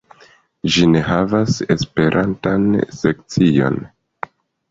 Ĝi ne havas esperantan sekcion.